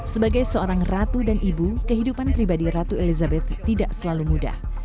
sebagai seorang ratu dan ibu kehidupan pribadi ratu elizabeth tidak selalu mudah